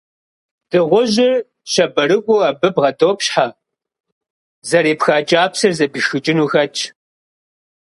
Дыгъужьыр щабэрыкӀуэу абы бгъэдопщхьэ, зэрепха кӀапсэр зэпишхыкӀыну хэтщ.